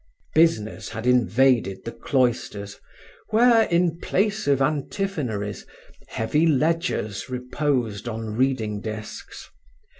Business had invaded the cloisters where, in place of antiphonaries, heavy ledgers reposed on reading desks.